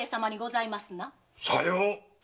さよう。